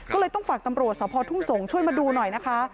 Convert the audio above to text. ก็เลยต้องฝากตำรวจสภทุ่งสงศ์ช่วยมาดูหน่อยนะคะ